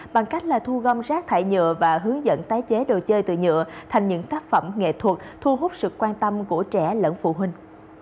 bằng cách là thu gom rác thải nhựa và hướng dẫn tái chế đồ chơi từ nhựa thành những tác phẩm nghệ thuật thu hút sự quan tâm của trẻ lẫn phụ huynh